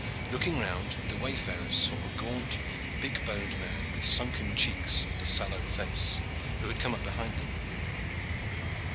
Looking round, the wayfarers saw a gaunt, big boned man, with sunken cheeks and a sallow face, who had come up behind them.